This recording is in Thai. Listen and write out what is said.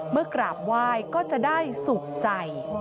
เมื่อกราบไหว้ก็จะได้ศุกร์ใจ